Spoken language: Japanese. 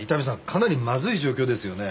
かなりまずい状況ですよね。